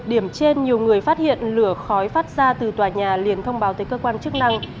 điểm trên nhiều người phát hiện lửa khói phát ra từ tòa nhà liền thông báo tới cơ quan chức năng